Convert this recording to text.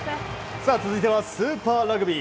続いてはスーパーラグビー。